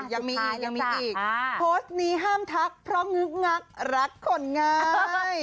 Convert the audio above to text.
ยังมีอีกโพสต์นี้ห้ามทักเพราะงึกมักรักขนไง